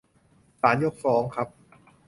ศาลยกฟ้องครับ :'